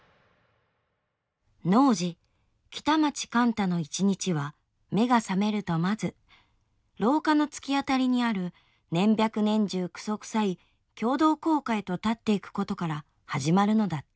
「曩時北町貫多の一日は目が覚めるとまず廊下の突き当たりにある年百年中糞臭い共同後架へと立ってゆくことから始まるのだった。